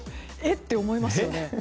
って思いますよね。